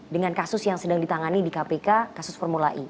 dengan kasus yang sedang ditangani di kpk kasus formula e